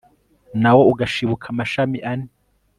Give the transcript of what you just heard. na wo ugashibuka amashami ane